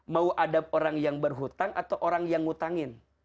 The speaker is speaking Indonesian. mau adab orang yang berhutang atau orang yang ngutangin